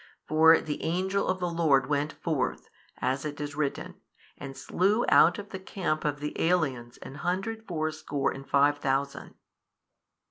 For the angel of the Lord went forth, as it is written, and slew out of the camp of the aliens an hundred fourscore and five thousand.